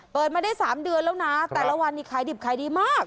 เปิดมาได้๓เดือนแล้วนะแต่ละวันนี้ขายดิบขายดีมาก